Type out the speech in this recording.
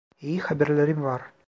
İyi haberlerim var.